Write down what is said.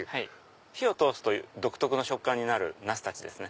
火を通すと独特の食感になるナスですね。